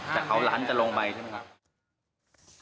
แต่เขาลั้นจะลงไปใช่ไหมครับ